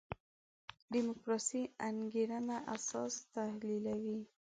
دیموکراسي انګېرنه اساس تحلیلوي.